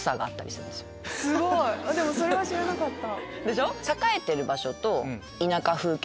すごい！それは知らなかった。